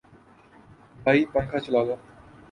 بھائی پنکھا چلا دو